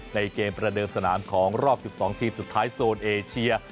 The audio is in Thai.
ในเกมประเดิมสนามของรอบ๑๒ทีมสุดท้ายโซนเอเชีย